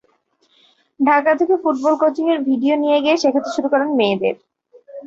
ঢাকা থেকে ফুটবল কোচিংয়ের ভিডিও নিয়ে গিয়ে শেখাতে শুরু করেন মেয়েদের।